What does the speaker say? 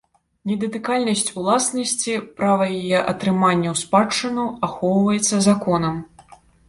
Недатыкальнасць уласнасці, права яе атрымання ў спадчыну ахоўваецца законам.